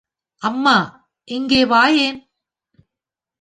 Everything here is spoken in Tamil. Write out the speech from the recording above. அம்மா, இங்கே வாயேன்!